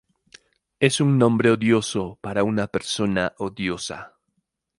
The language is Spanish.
Es un nombre odioso para una persona odiosa".